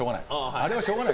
あれはしょうがない。